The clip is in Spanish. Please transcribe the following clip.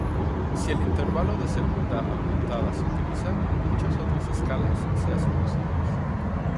Si el intervalo de segunda aumentada se utiliza, muchas otras escalas se hacen posibles.